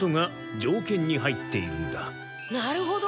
なるほど！